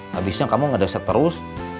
habisnya kamu ngedeset terus